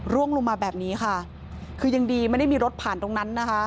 ร่วงลงมาแบบนี้ค่ะคือยังดีไม่ได้มีรถผ่านตรงนั้นนะคะ